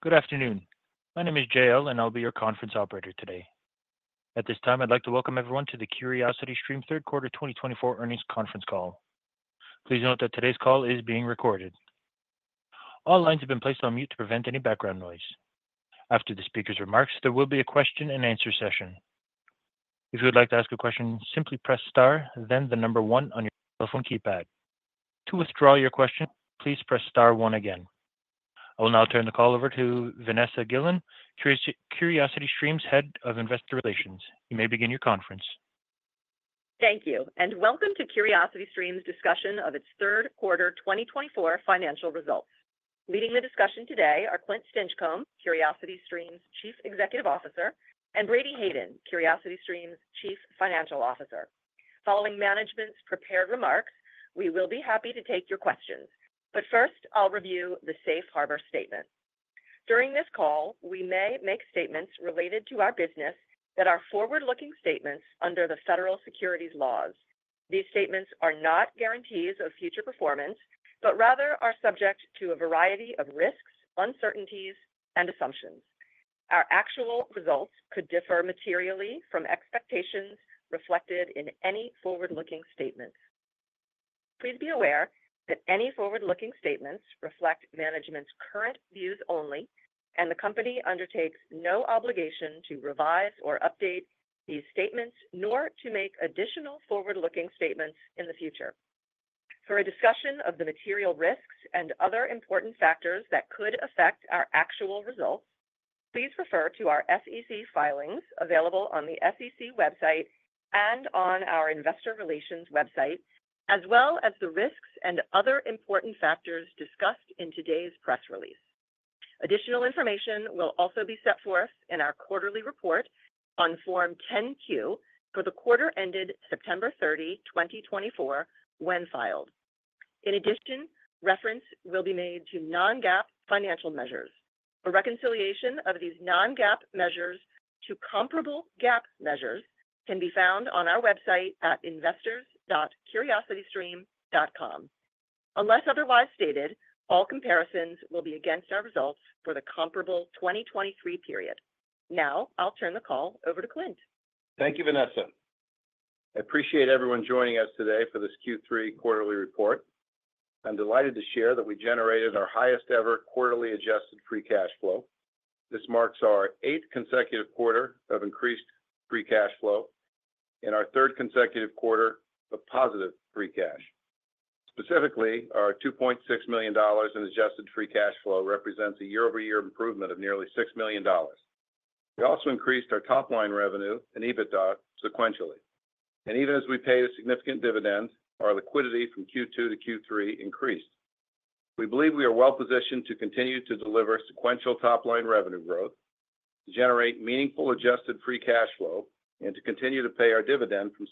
Good afternoon. My name is Jael and I'll be your conference operator today. At this time, I'd like to welcome everyone to the CuriosityStream Third Quarter 2024 Earnings Conference Call. Please note that today's call is being recorded. All lines have been placed on mute to prevent any background noise. After the speaker's remarks, there will be a question and answer session. If you would like to ask a question, simply press star, then the number one on your cell phone keypad. To withdraw your question, please press star one again. I will now turn the call over to Vanessa Gillon, CuriosityStream's Head of Investor Relations. You may begin your conference. Thank you, and welcome to CuriosityStream's discussion of its third quarter 2024 financial results. Leading the discussion today are Clint Stinchcomb, CuriosityStream's Chief Executive Officer, and Brady Hayden, CuriosityStream's Chief Financial Officer. Following management's prepared remarks, we will be happy to take your questions, but first I'll review the safe harbor statement. During this call, we may make statements related to our business that are forward-looking statements under the federal securities laws. These statements are not guarantees of future performance, but rather are subject to a variety of risks, uncertainties, and assumptions. Our actual results could differ materially from expectations reflected in any forward-looking statements. Please be aware that any forward-looking statements reflect management's current views only, and the company undertakes no obligation to revise or update these statements, nor to make additional forward-looking statements in the future. For a discussion of the material risks and other important factors that could affect our actual results, please refer to our SEC filings available on the SEC website and on our Investor Relations website, as well as the risks and other important factors discussed in today's press release. Additional information will also be set forth in our quarterly report on Form 10-Q for the quarter ended September 30, 2024, when filed. In addition, reference will be made to non-GAAP financial measures. A reconciliation of these non-GAAP measures to comparable GAAP measures can be found on our website at investors.curiositystream.com. Unless otherwise stated, all comparisons will be against our results for the comparable 2023 period. Now I'll turn the call over to Clint. Thank you, Vanessa. I appreciate everyone joining us today for this Q3 quarterly report. I'm delighted to share that we generated our highest ever quarterly adjusted free cash flow. This marks our eighth consecutive quarter of increased free cash flow and our third consecutive quarter of positive free cash. Specifically, our $2.6 million in adjusted free cash flow represents a year-over-year improvement of nearly $6 million. We also increased our top line revenue and EBITDA sequentially, and even as we paid a significant dividend, our liquidity from Q2 to Q3 increased. We believe we are well positioned to continue to deliver sequential top line revenue growth, generate meaningful adjusted free cash flow, and to continue to pay our dividend from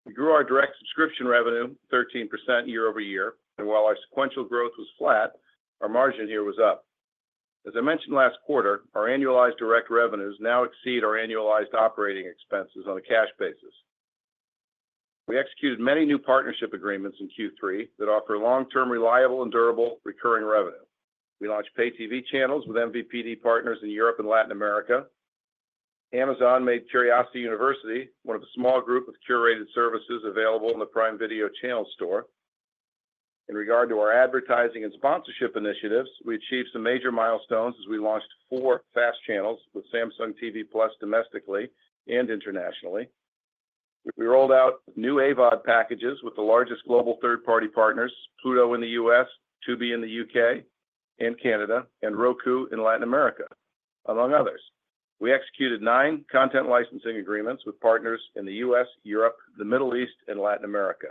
surplus cash. We grew our direct subscription revenue 13% year over year, and while our sequential growth was flat, our margin here was up. As I mentioned last quarter, our annualized direct revenues now exceed our annualized operating expenses on a cash basis. We executed many new partnership agreements in Q3 that offer long-term, reliable, and durable recurring revenue. We launched pay TV channels with MVPD partners in Europe and Latin America. Amazon made Curiosity University one of a small group of curated services available in the Prime Video channel store. In regard to our advertising and sponsorship initiatives, we achieved some major milestones as we launched four FAST channels with Samsung TV Plus domestically and internationally. We rolled out new AVOD packages with the largest global third-party partners, Pluto in the U.S., Tubi in the U.K. and Canada, and Roku in Latin America, among others. We executed nine content licensing agreements with partners in the U.S., Europe, the Middle East, and Latin America.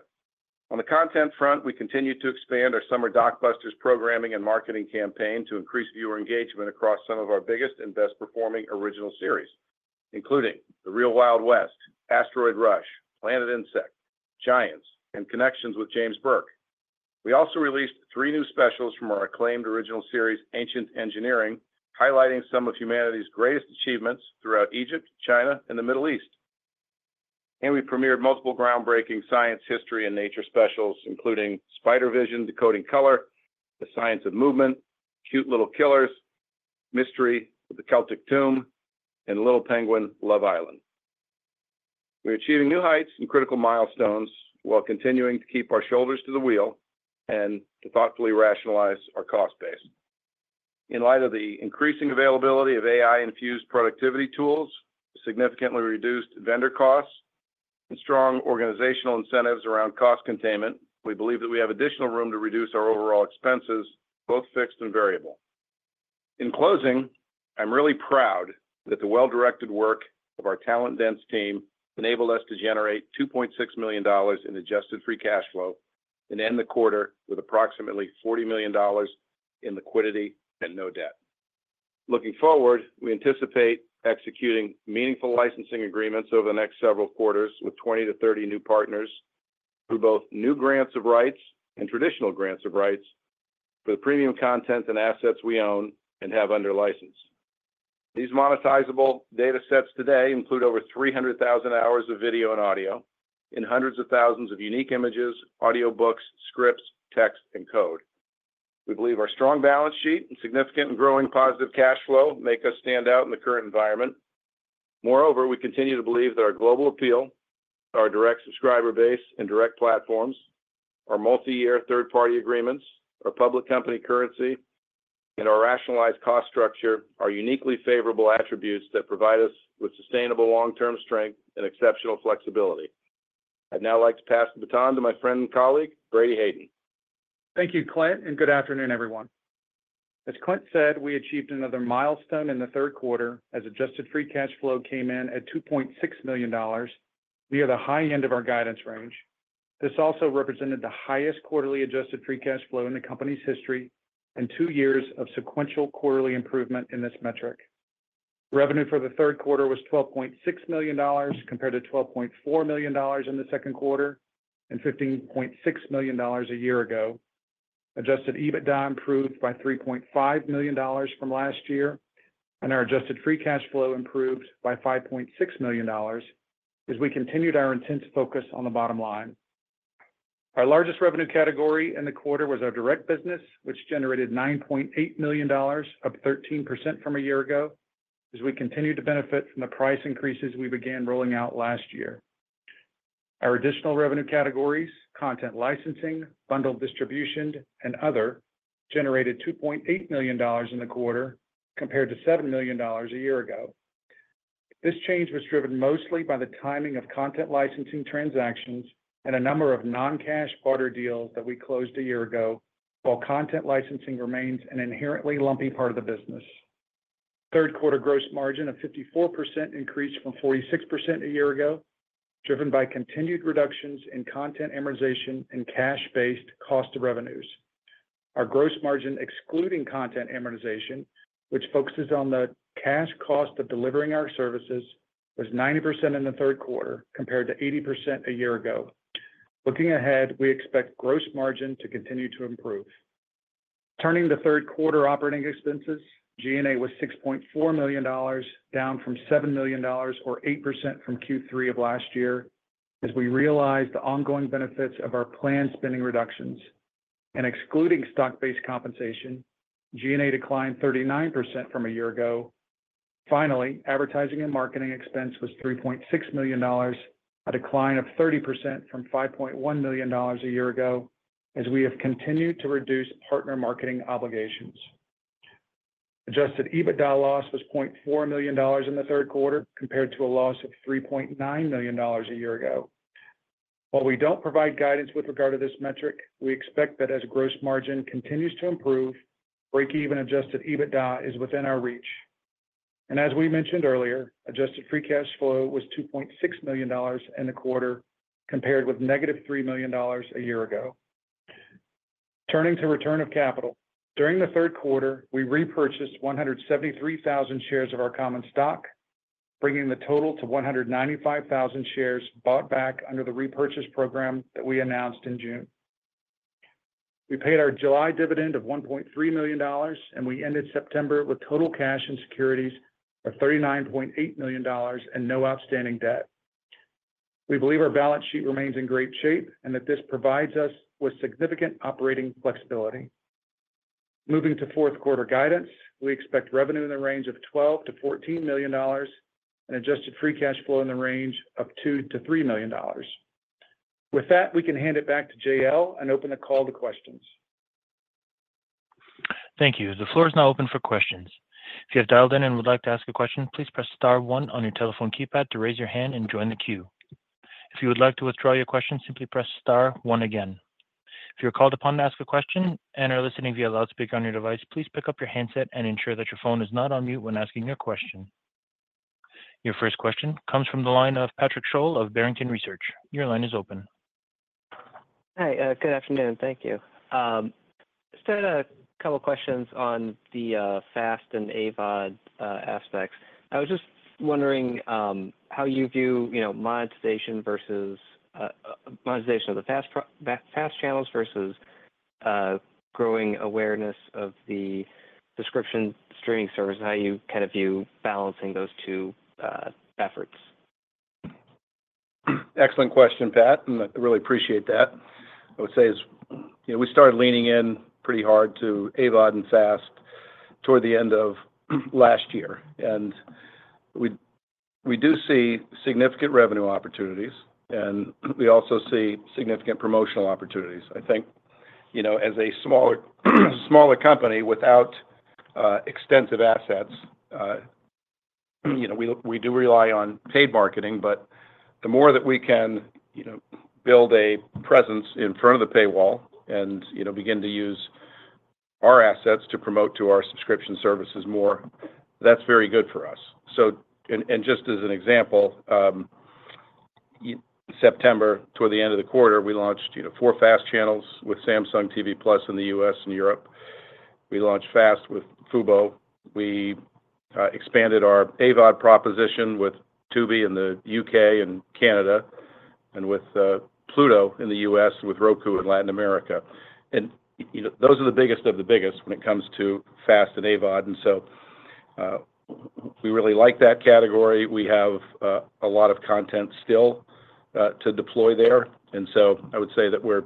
On the content front, we continue to expand our Summer Blockbusters programming and marketing campaign to increase viewer engagement across some of our biggest and best-performing original series, including The Real Wild West, Asteroid Rush, Planet Insect, Giants, and Connections with James Burke. We also released three new specials from our acclaimed original series, Ancient Engineering, highlighting some of humanity's greatest achievements throughout Egypt, China, and the Middle East, and we premiered multiple groundbreaking science, history, and nature specials, including Spider Vision: Decoding Color, The Science of Movement, Cute Little Killers, Mystery of the Celtic Tomb, and Little Penguin: Love Island. We're achieving new heights and critical milestones while continuing to keep our shoulders to the wheel and to thoughtfully rationalize our cost base. In light of the increasing availability of AI-infused productivity tools, significantly reduced vendor costs, and strong organizational incentives around cost containment, we believe that we have additional room to reduce our overall expenses, both fixed and variable. In closing, I'm really proud that the well-directed work of our talent-dense team enabled us to generate $2.6 million in adjusted free cash flow and end the quarter with approximately $40 million in liquidity and no debt. Looking forward, we anticipate executing meaningful licensing agreements over the next several quarters with 20 to 30 new partners through both new grants of rights and traditional grants of rights for the premium content and assets we own and have under license. These monetizable data sets today include over 300,000 hours of video and audio and hundreds of thousands of unique images, audiobooks, scripts, text, and code. We believe our strong balance sheet and significant and growing positive cash flow make us stand out in the current environment. Moreover, we continue to believe that our global appeal, our direct subscriber base and direct platforms, our multi-year third-party agreements, our public company currency, and our rationalized cost structure are uniquely favorable attributes that provide us with sustainable long-term strength and exceptional flexibility. I'd now like to pass the baton to my friend and colleague, Brady Hayden. Thank you, Clint, and good afternoon, everyone. As Clint said, we achieved another milestone in the third quarter as adjusted free cash flow came in at $2.6 million, near the high end of our guidance range. This also represented the highest quarterly adjusted free cash flow in the company's history and two years of sequential quarterly improvement in this metric. Revenue for the third quarter was $12.6 million compared to $12.4 million in the second quarter and $15.6 million a year ago. Adjusted EBITDA improved by $3.5 million from last year, and our adjusted free cash flow improved by $5.6 million as we continued our intense focus on the bottom line. Our largest revenue category in the quarter was our direct business, which generated $9.8 million, up 13% from a year ago, as we continued to benefit from the price increases we began rolling out last year. Our additional revenue categories, content licensing, bundled distribution, and other, generated $2.8 million in the quarter compared to $7 million a year ago. This change was driven mostly by the timing of content licensing transactions and a number of non-cash barter deals that we closed a year ago, while content licensing remains an inherently lumpy part of the business. Third quarter gross margin of 54% increased from 46% a year ago, driven by continued reductions in content amortization and cash-based cost of revenues. Our gross margin excluding content amortization, which focuses on the cash cost of delivering our services, was 90% in the third quarter compared to 80% a year ago. Looking ahead, we expect gross margin to continue to improve. Turning to third quarter operating expenses, G&A was $6.4 million, down from $7 million, or 8% from Q3 of last year, as we realized the ongoing benefits of our planned spending reductions, and excluding stock-based compensation, G&A declined 39% from a year ago. Finally, advertising and marketing expense was $3.6 million, a decline of 30% from $5.1 million a year ago, as we have continued to reduce partner marketing obligations. Adjusted EBITDA loss was $0.4 million in the third quarter compared to a loss of $3.9 million a year ago. While we don't provide guidance with regard to this metric, we expect that as gross margin continues to improve, break-even adjusted EBITDA is within our reach, and as we mentioned earlier, adjusted free cash flow was $2.6 million in the quarter compared with negative $3 million a year ago. Turning to return of capital, during the third quarter, we repurchased 173,000 shares of our common stock, bringing the total to 195,000 shares bought back under the repurchase program that we announced in June. We paid our July dividend of $1.3 million, and we ended September with total cash and securities of $39.8 million and no outstanding debt. We believe our balance sheet remains in great shape and that this provides us with significant operating flexibility. Moving to fourth quarter guidance, we expect revenue in the range of $12-$14 million and adjusted free cash flow in the range of $2-$3 million. With that, we can hand it back to Jael and open the call to questions. Thank you. The floor is now open for questions. If you have dialed in and would like to ask a question, please press star one on your telephone keypad to raise your hand and join the queue. If you would like to withdraw your question, simply press star one again. If you're called upon to ask a question and are listening via loudspeaker on your device, please pick up your handset and ensure that your phone is not on mute when asking your question. Your first question comes from the line of Patrick Sholl of Barrington Research. Your line is open. Hi, good afternoon. Thank you. Just had a couple of questions on the FAST and AVOD aspects. I was just wondering how you view monetization versus monetization of the FAST channels versus growing awareness of the subscription streaming service, how you kind of view balancing those two efforts. Excellent question, Pat, and I really appreciate that. I would say we started leaning in pretty hard to AVOD and FAST toward the end of last year, and we do see significant revenue opportunities, and we also see significant promotional opportunities. I think as a smaller company without extensive assets, we do rely on paid marketing, but the more that we can build a presence in front of the paywall and begin to use our assets to promote to our subscription services more, that's very good for us. And just as an example, September, toward the end of the quarter, we launched four FAST channels with Samsung TV Plus in the U.S. and Europe. We launched FAST with Fubo. We expanded our AVOD proposition with Tubi in the U.K. and Canada and with Pluto in the U.S. with Roku in Latin America. And those are the biggest of the biggest when it comes to FAST and AVOD. And so we really like that category. We have a lot of content still to deploy there. And so I would say that we're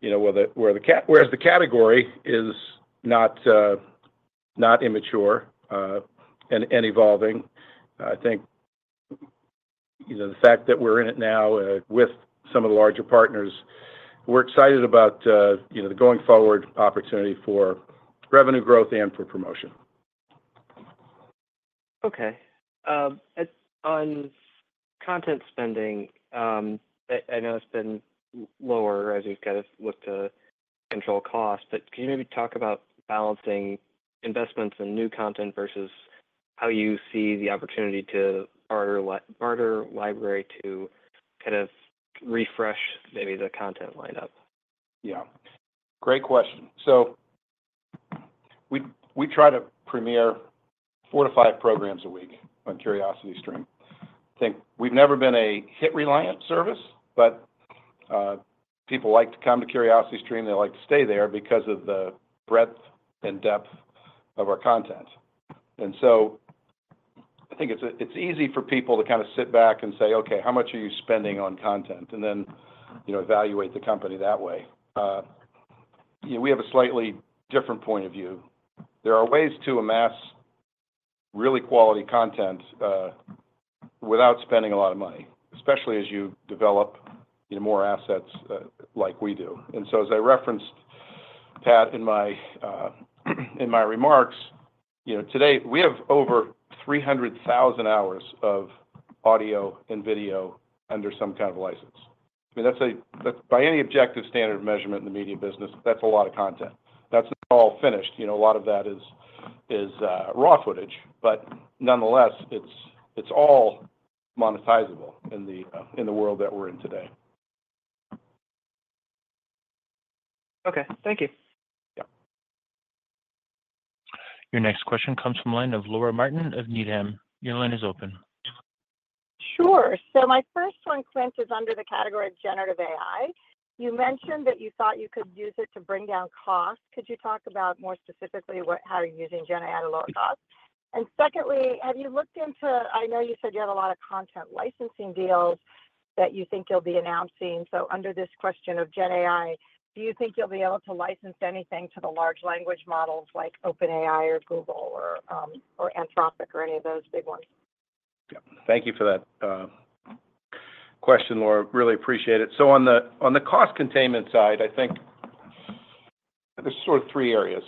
whereas the category is not immature and evolving. I think the fact that we're in it now with some of the larger partners, we're excited about the going forward opportunity for revenue growth and for promotion. Okay. On content spending, I know it's been lower as we've kind of looked to control costs, but can you maybe talk about balancing investments in new content versus how you see the opportunity to barter library to kind of refresh maybe the content lineup? Yeah. Great question. So we try to premiere four to five programs a week on CuriosityStream. I think we've never been a hit-reliance service, but people like to come to CuriosityStream. They like to stay there because of the breadth and depth of our content. And so I think it's easy for people to kind of sit back and say, "Okay, how much are you spending on content?" And then evaluate the company that way. We have a slightly different point of view. There are ways to amass really quality content without spending a lot of money, especially as you develop more assets like we do. And so as I referenced, Pat, in my remarks, today we have over 300,000 hours of audio and video under some kind of license. I mean, that's by any objective standard of measurement in the media business, that's a lot of content. That's not all finished. A lot of that is raw footage, but nonetheless, it's all monetizable in the world that we're in today. Okay. Thank you. Your next question comes from the line of Laura Martin of Needham. Your line is open. Sure. So my first one, Clint, is under the category of generative AI. You mentioned that you thought you could use it to bring down costs. Could you talk about more specifically how you're using Gen AI to lower costs? And secondly, have you looked into, I know you said you have a lot of content licensing deals that you think you'll be announcing. So under this question of Gen AI, do you think you'll be able to license anything to the large language models like OpenAI or Google or Anthropic or any of those big ones? Yeah. Thank you for that question, Laura. Really appreciate it. So on the cost containment side, I think there's sort of three areas,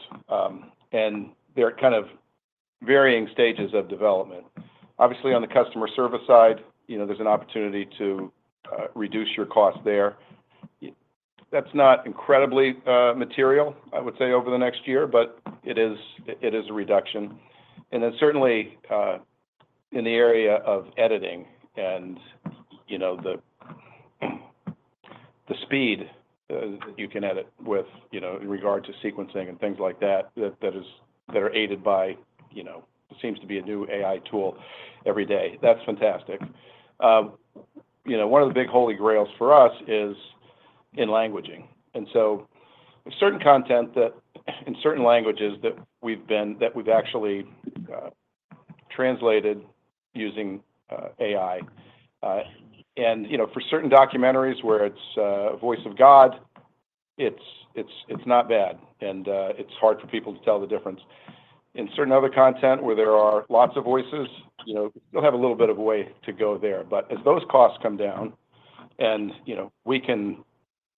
and they're kind of varying stages of development. Obviously, on the customer service side, there's an opportunity to reduce your cost there. That's not incredibly material, I would say, over the next year, but it is a reduction. And then certainly in the area of editing and the speed that you can edit with in regard to sequencing and things like that that are aided by. It seems to be a new AI tool every day. That's fantastic. One of the big holy grails for us is in languaging. And so there's certain content in certain languages that we've actually translated using AI. And for certain documentaries where it's a voice of God, it's not bad, and it's hard for people to tell the difference. In certain other content where there are lots of voices, you'll have a little bit of way to go there. But as those costs come down and we can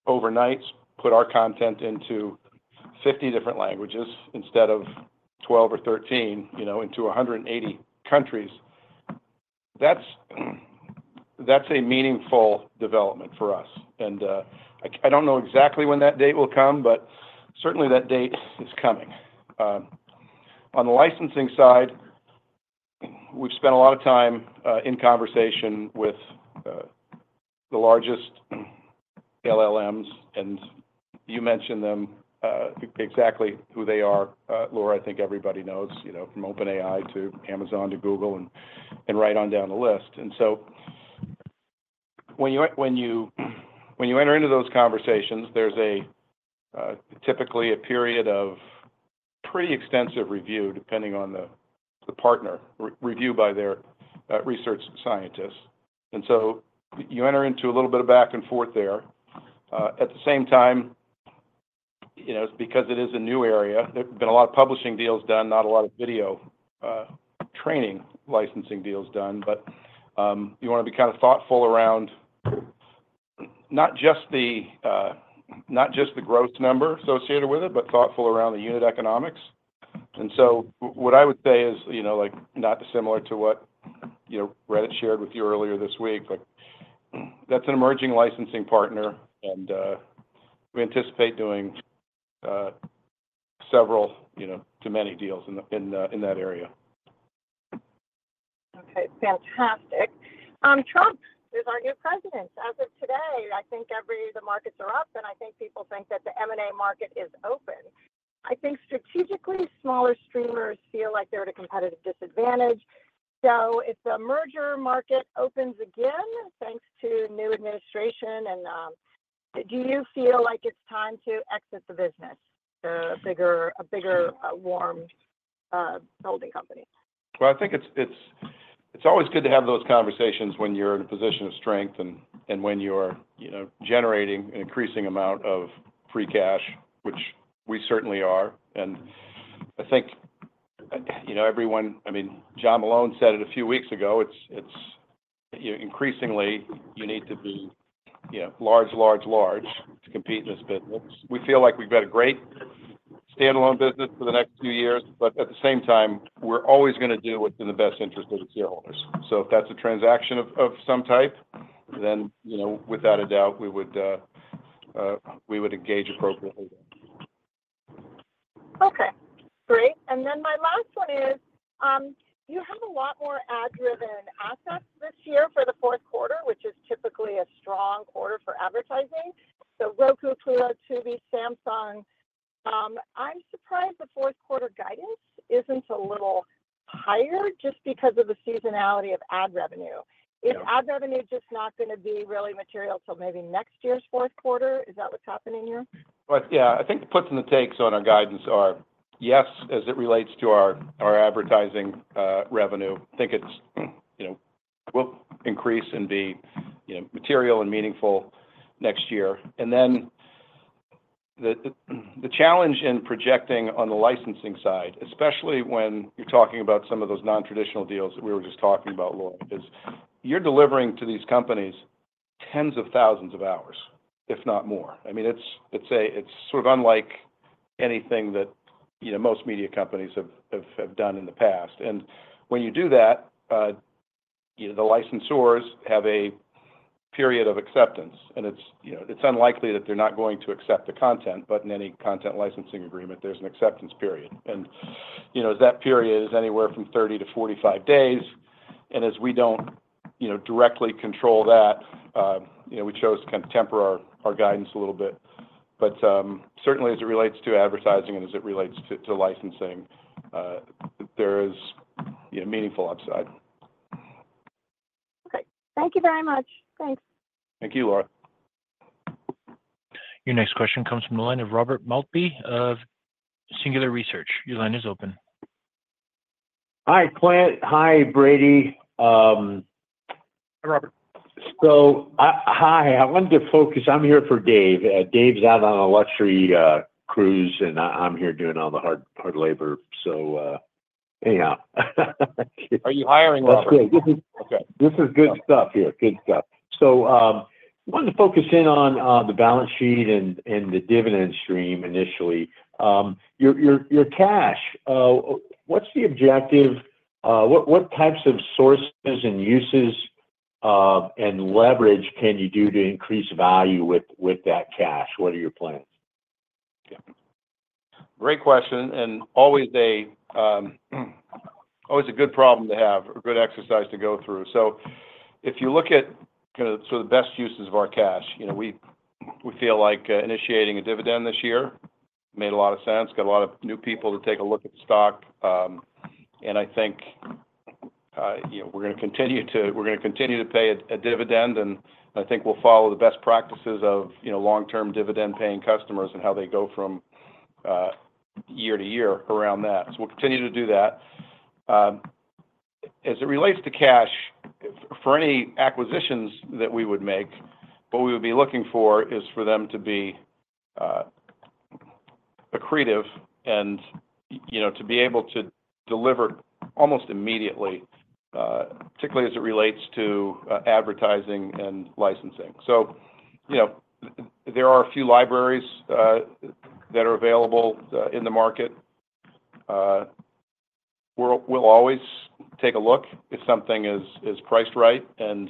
overnight put our content into 50 different languages instead of 12 or 13 into 180 countries, that's a meaningful development for us. And I don't know exactly when that date will come, but certainly that date is coming. On the licensing side, we've spent a lot of time in conversation with the largest LLMs, and you mentioned them exactly who they are. Laura, I think everybody knows from OpenAI to Amazon to Google and right on down the list. And so when you enter into those conversations, there's typically a period of pretty extensive review depending on the partner review by their research scientists. And so you enter into a little bit of back and forth there. At the same time, because it is a new area, there have been a lot of publishing deals done, not a lot of video training licensing deals done, but you want to be kind of thoughtful around not just the gross number associated with it, but thoughtful around the unit economics. And so what I would say is not dissimilar to what Reddit shared with you earlier this week, but that's an emerging licensing partner, and we anticipate doing several to many deals in that area. Okay. Fantastic. Trump is our new president. As of today, I think the markets are up, and I think people think that the M&A market is open. I think strategically, smaller streamers feel like they're at a competitive disadvantage. So if the merger market opens again, thanks to new administration, do you feel like it's time to exit the business to a bigger firm holding company? Well, I think it's always good to have those conversations when you're in a position of strength and when you're generating an increasing amount of free cash, which we certainly are. And I think everyone—I mean, John Malone said it a few weeks ago—increasingly, you need to be large, large, large to compete in this business. We feel like we've got a great standalone business for the next few years, but at the same time, we're always going to do what's in the best interest of the shareholders. So if that's a transaction of some type, then without a doubt, we would engage appropriately. Okay. Great. And then my last one is you have a lot more ad-driven assets this year for the fourth quarter, which is typically a strong quarter for advertising. So Roku, Pluto, Tubi, Samsung. I'm surprised the fourth quarter guidance isn't a little higher just because of the seasonality of ad revenue. Is ad revenue just not going to be really material until maybe next year's fourth quarter? Is that what's happening here? Yeah. I think the puts and the takes on our guidance are, yes, as it relates to our advertising revenue. I think it will increase and be material and meaningful next year. And then the challenge in projecting on the licensing side, especially when you're talking about some of those non-traditional deals that we were just talking about, Laura, is you're delivering to these companies tens of thousands of hours, if not more. I mean, it's sort of unlike anything that most media companies have done in the past. And when you do that, the licensors have a period of acceptance, and it's unlikely that they're not going to accept the content, but in any content licensing agreement, there's an acceptance period. And that period is anywhere from 30-45 days. And as we don't directly control that, we chose to kind of temper our guidance a little bit. But certainly, as it relates to advertising and as it relates to licensing, there is meaningful upside. Okay. Thank you very much. Thanks. Thank you, Laura. Your next question comes from the line of Robert Maltby of Singular Research. Your line is open. Hi, Clint. Hi, Brady. Hi, Robert. Hi. I wanted to focus. I'm here for Dave. Dave's out on a luxury cruise, and I'm here doing all the hard labor. Anyhow. Are you hiring, Robert? That's good. This is good stuff here. Good stuff. So I wanted to focus in on the balance sheet and the dividend stream initially. Your cash, what's the objective? What types of sources and uses and leverage can you do to increase value with that cash? What are your plans? Yeah. Great question and always a good problem to have or a good exercise to go through, so if you look at sort of the best uses of our cash, we feel like initiating a dividend this year made a lot of sense. Got a lot of new people to take a look at the stock, and I think we're going to continue to pay a dividend, and I think we'll follow the best practices of long-term dividend-paying customers and how they go from year to year around that. So we'll continue to do that. As it relates to cash, for any acquisitions that we would make, what we would be looking for is for them to be accretive and to be able to deliver almost immediately, particularly as it relates to advertising and licensing. So there are a few libraries that are available in the market. We'll always take a look if something is priced right. And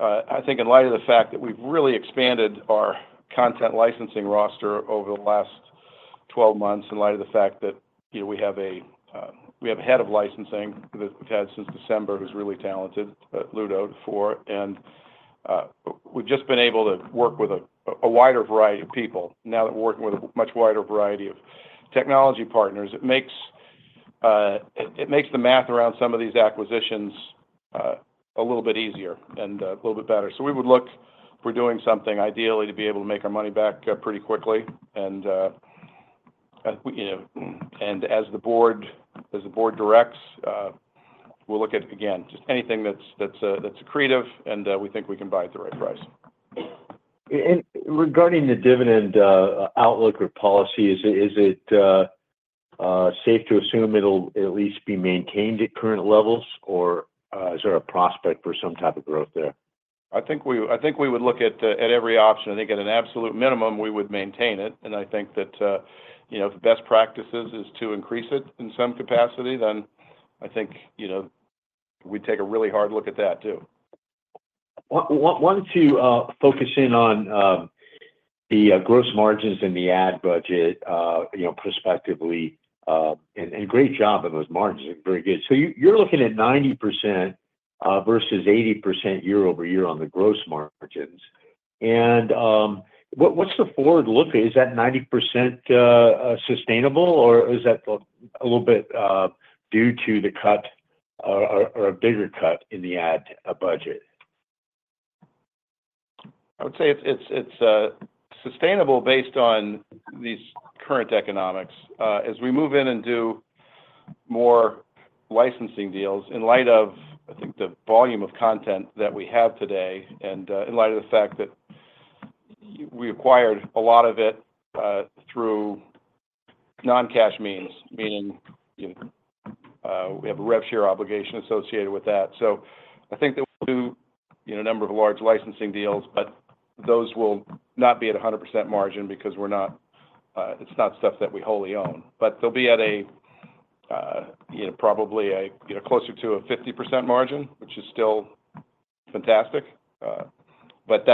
I think in light of the fact that we've really expanded our content licensing roster over the last 12 months, in light of the fact that we have a head of licensing that we've had since December who's really talented, Ludo Dufour. And we've just been able to work with a wider variety of people. Now that we're working with a much wider variety of technology partners, it makes the math around some of these acquisitions a little bit easier and a little bit better. So we would look if we're doing something ideally to be able to make our money back pretty quickly. As the board directs, we'll look at, again, just anything that's accretive, and we think we can buy at the right price. Regarding the dividend outlook or policy, is it safe to assume it'll at least be maintained at current levels, or is there a prospect for some type of growth there? I think we would look at every option. I think at an absolute minimum, we would maintain it. I think that if the best practice is to increase it in some capacity, then I think we'd take a really hard look at that too. Wanted to focus in on the gross margins and the ad budget prospectively. And great job on those margins. Very good. So you're looking at 90% versus 80% year over year on the gross margins. And what's the forward look? Is that 90% sustainable, or is that a little bit due to the cut or a bigger cut in the ad budget? I would say it's sustainable based on these current economics. As we move in and do more licensing deals, in light of, I think, the volume of content that we have today and in light of the fact that we acquired a lot of it through non-cash means, meaning we have a rev share obligation associated with that. So I think that we'll do a number of large licensing deals, but those will not be at 100% margin because it's not stuff that we wholly own. But they'll be at probably closer to a 50% margin, which is still fantastic. But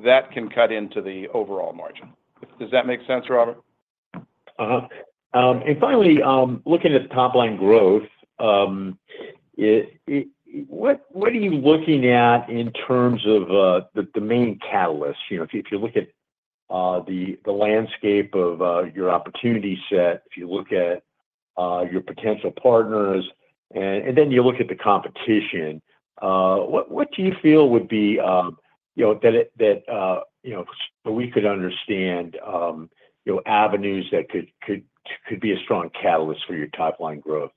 that can cut into the overall margin. Does that make sense, Robert? Finally, looking at the top-line growth, what are you looking at in terms of the main catalysts? If you look at the landscape of your opportunity set, if you look at your potential partners, and then you look at the competition, what do you feel would be that we could understand avenues that could be a strong catalyst for your top-line growth?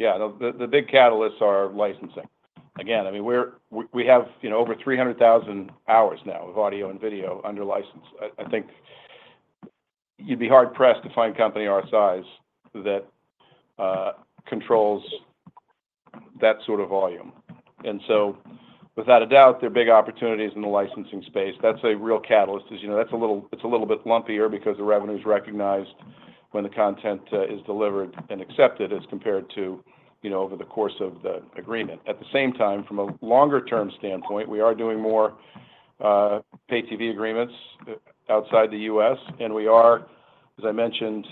Yeah. The big catalysts are licensing. Again, I mean, we have over 300,000 hours now of audio and video under license. I think you'd be hard-pressed to find a company our size that controls that sort of volume. And so without a doubt, they're big opportunities in the licensing space. That's a real catalyst. It's a little bit lumpier because the revenue is recognized when the content is delivered and accepted as compared to over the course of the agreement. At the same time, from a longer-term standpoint, we are doing more pay-TV agreements outside the U.S., and we are, as I mentioned,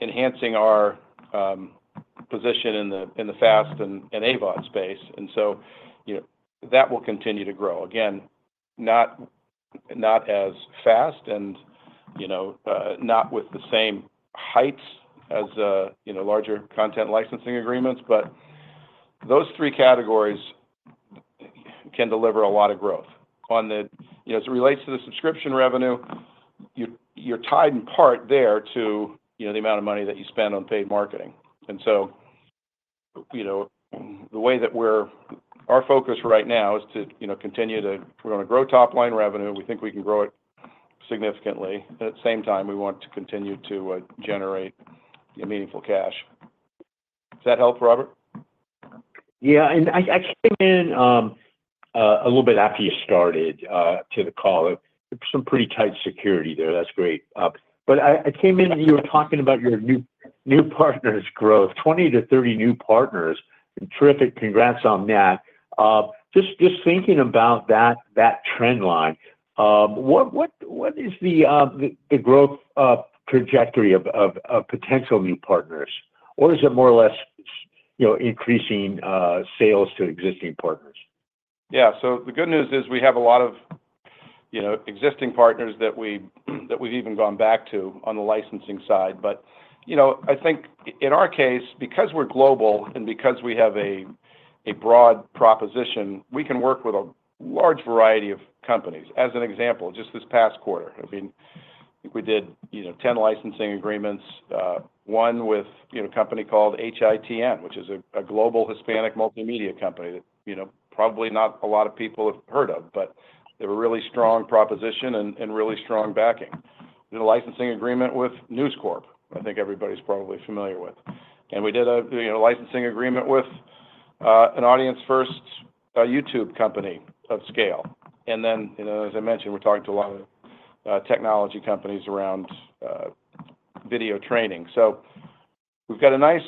enhancing our position in the FAST and AVOD space. And so that will continue to grow. Again, not as fast and not with the same heights as larger content licensing agreements, but those three categories can deliver a lot of growth. As it relates to the subscription revenue, you're tied in part there to the amount of money that you spend on paid marketing. And so the way that we're, our focus right now is to continue to, we're going to grow top-line revenue. We think we can grow it significantly. At the same time, we want to continue to generate meaningful cash. Does that help, Robert? Yeah. And I came in a little bit after you started the call. There's some pretty tight security there. That's great. But I came in and you were talking about your new partners' growth, 20-30 new partners, and terrific. Congrats on that. Just thinking about that trend line, what is the growth trajectory of potential new partners? Or is it more or less increasing sales to existing partners? Yeah, so the good news is we have a lot of existing partners that we've even gone back to on the licensing side, but I think in our case, because we're global and because we have a broad proposition, we can work with a large variety of companies. As an example, just this past quarter, I mean, we did 10 licensing agreements, one with a company called HITN, which is a global Hispanic multimedia company that probably not a lot of people have heard of, but they have a really strong proposition and really strong backing. We did a licensing agreement with News Corp, I think everybody's probably familiar with. And we did a licensing agreement with an audience-first YouTube company of scale. And then, as I mentioned, we're talking to a lot of technology companies around video training. So we've got a nice,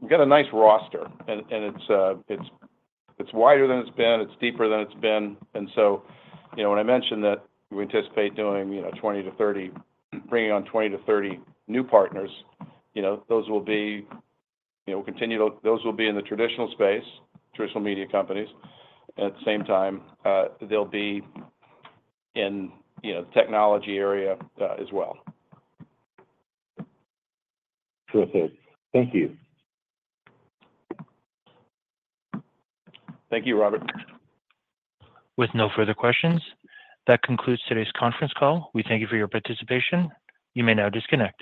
we've got a nice roster, and it's wider than it's been. It's deeper than it's been. And so when I mentioned that we anticipate doing 20-30, bringing on 20-30 new partners, those will be, we'll continue to, those will be in the traditional space, traditional media companies. At the same time, they'll be in the technology area as well. Terrific. Thank you. Thank you, Robert. With no further questions, that concludes today's conference call. We thank you for your participation. You may now disconnect.